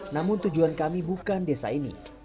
namun tujuan kami bukan desa ini